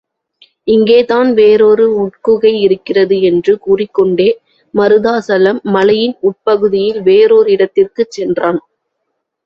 இங்கேதான் வேறொரு உட்குகை இருக்கிறது என்று கூறிக்கொண்டே மருதாசலம் மலையின் உட்பகுதியில் வேறொரு இடத்திற்குச் சென்றான்.